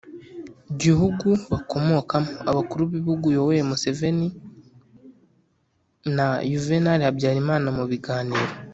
gihugu bakomokamo, abakuru b'ibihugu yoweri museveni na yuvenali habyarimana mu biganiro